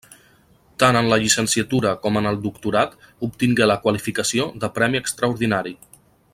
Tant en la llicenciatura com en el doctorat obtingué la qualificació de premi extraordinari.